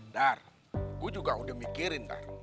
dar gue juga udah mikirin dah